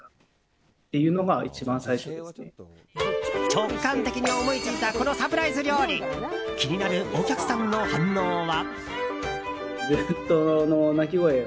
直感的に思いついたこのサプライズ料理気になるお客さんの反応は？